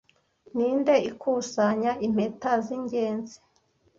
Ninde ikusanya Impeta zingenzi